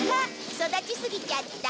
育ちすぎちゃった。